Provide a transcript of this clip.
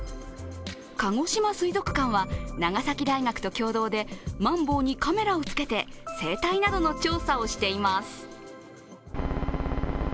かごしま水族館は、長崎大学と共同でマンボウにカメラをつけて生態などの調査をしています。